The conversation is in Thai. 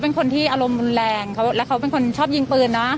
เป็นคนที่อารมณ์รุนแรงแล้วเขาเป็นคนชอบยิงปืนเนอะ